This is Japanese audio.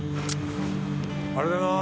ありがとうございます。